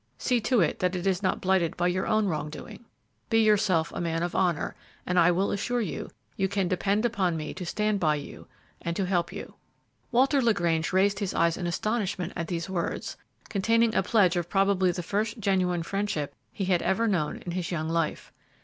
See to it that it is not blighted by your own wrong doing! Be yourself a man of honor, and I will assure you, you can depend upon me to stand by you and to help you." Walter LaGrange raised his eyes in astonishment at these words, containing a pledge of probably the first genuine friendship he had ever known in his young life.